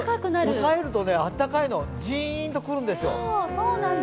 押さえるとあったかいの、ジーンとくるの。